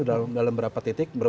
dalam beberapa titik